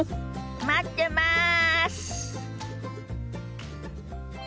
待ってます！